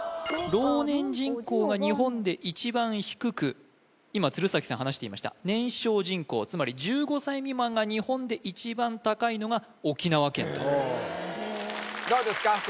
老年人口が日本で一番低く今鶴崎さん話していました年少人口つまり１５歳未満が日本で一番高いのが沖縄県どうですか？